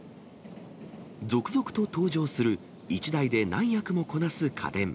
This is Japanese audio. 続々と登場する、１台で何役もこなす家電。